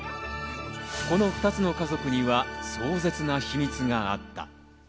この２つの家族には壮絶な秘密があった。